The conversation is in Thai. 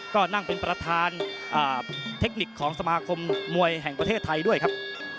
ก็นั่งเป็นประธานเทคนิคของสมาคมมวยแห่งประเทศไทยด้วยครับ